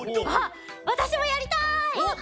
あっわたしもやりたい！